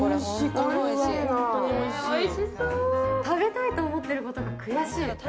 食べたいと思っていることが悔しい。